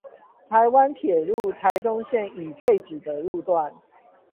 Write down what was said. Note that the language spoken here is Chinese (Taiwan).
臺灣鐵路臺中線已廢止的路段